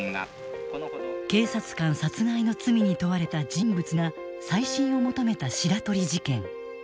警察官殺害の罪に問われた人物が再審を求めた白鳥事件。